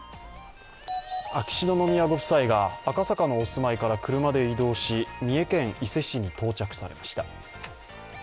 秋篠宮ご夫妻が赤坂のお住まいから車で移動し、三重県伊勢市に到着されました。